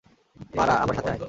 মারা, আমার সাথে আয়।